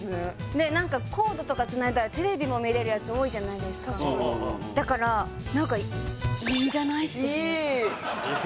で何かコードとかつないだらテレビも見れるやつ多いじゃないですかだから何かいい「いいんじゃない？」